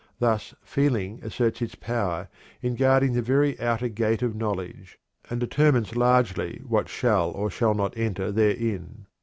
Thus feeling asserts its power in guarding the very outer gate of knowledge, and determines largely what shall or shall not enter therein.